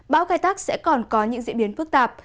bão gai tắc sẽ còn có những diễn biến phức tạp